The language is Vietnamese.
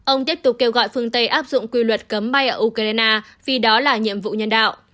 ông tiếp tục kêu gọi phương tây áp dụng quy luật cấm bay ở ukraine vì đó là nhiệm vụ nhân đạo